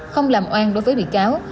không làm oan đối với bị cáo